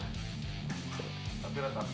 tapi seringnya menang ya